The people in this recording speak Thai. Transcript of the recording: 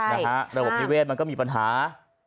ระบบนิเวศมันก็มีปัญหา